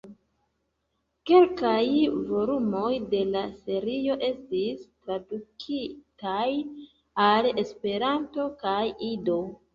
Kelkaj volumoj de la serio estis tradukitaj al Esperanto kaj Ido.